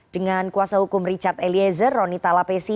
dengan kuasa hukum richard eliezer ronita lapesi